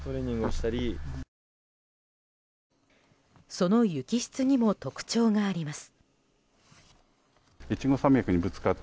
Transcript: その雪質にも特徴があります。